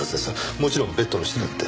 もちろんベッドの下だって。